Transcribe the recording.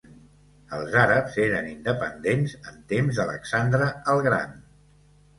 Els àrabs eren independents en temps d'Alexandre el Gran.